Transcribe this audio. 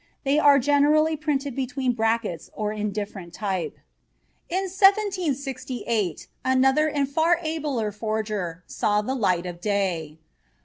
They are generally printed between brackets or in different type. In 1768 another and far abler forger saw the light of day.